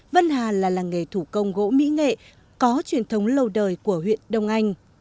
vân hà là làng nghề thủ công gỗ mỹ nghệ có truyền thống lâu đời của huyện đông anh